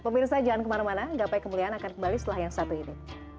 pemirsa jangan kemana mana gapai kemuliaan akan kembali setelah yang satu ini